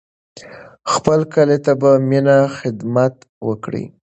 خپل کلي ته په مینه خدمت وکړئ.